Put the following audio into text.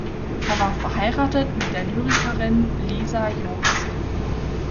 Er war verheiratet mit der Lyrikerin Lisa Jobst.